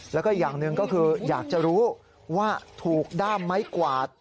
แล้วก็อย่างหนึ่งก็คืออยากจะรู้ว่าถูกด้ามไม้กวาด